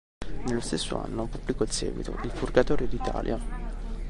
Nello stesso anno pubblicò il seguito, "Il Purgatorio d'Italia".